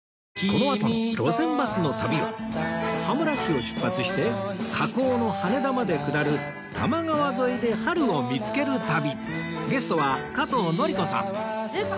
このあとの『路線バスの旅』は羽村市を出発して河口の羽田まで下る多摩川沿いで春を見つける旅